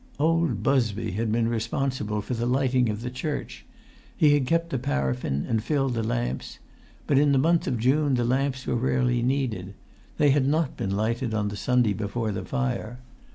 Old Busby had been responsible for the lighting of the church. He had kept the paraffin and filled the lamps. But in the month of June the lamps were rarely needed. They had not been lighted on the Sunday before the fire.